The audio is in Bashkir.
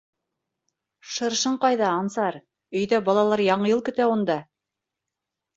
— Шыршың ҡайҙа, Ансар, өйҙә балалар Яңы йыл көтә унда.